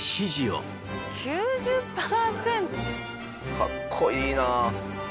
かっこいいなぁ。